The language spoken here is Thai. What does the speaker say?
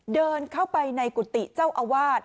เดินเข้าไปในกุฏิเจ้าอาวาส